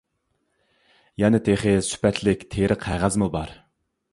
يەنە تېخى سۈپەتلىك تېرە قەغەزمۇ بار!